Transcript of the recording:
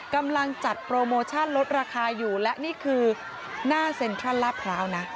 กำลังจัดโปรโมชั่นลดราคาอยู่และนี่คือหน้าเซ็นทรัลลาดพร้าวนะ